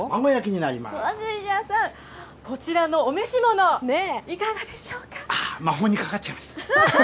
こちらのお召し物、いかがで魔法にかかっちゃいました。